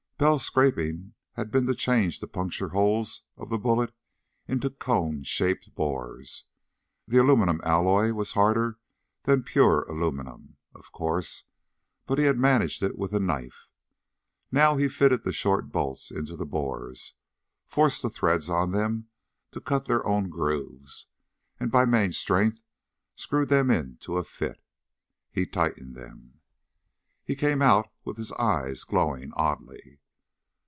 Bell's scraping had been to change the punctured holes of the bullet into cone shaped bores. The aluminum alloy was harder than pure aluminum, of course, but he had managed it with a knife. Now he fitted the short bolts in the bores, forced the threads on them to cut their own grooves, and by main strength screwed them in to a fit. He tightened them. He came out with his eyes glowing oddly.